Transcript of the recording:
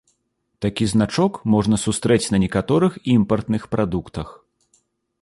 Такі значок можна сустрэць на некаторых імпартных прадуктах.